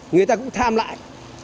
người ta cũng tham lại